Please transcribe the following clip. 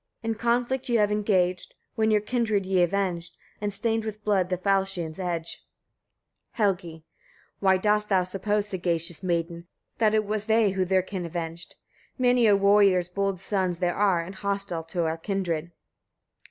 In conflict ye have engaged, when your kindred ye avenged, and stained with blood the falchion's edge. Helgi. 9. Why dost thou suppose, sagacious maiden! that it was they, who their kin avenged? Many a warrior's bold sons there are, and hostile to our kindred.